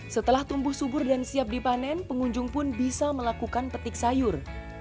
setelah tumbuh subur dan siap dipanen pengunjung pun bisa melakukan petik sayur